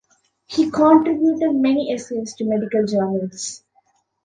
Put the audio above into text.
He contributed many essays to medical journals.